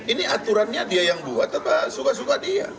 ini aturannya dia yang buat apa suka suka dia